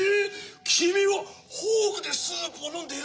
きみはフォークでスープをのんでいるのかい？